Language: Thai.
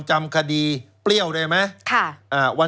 จำคดีเปรี้ยวได้ไหม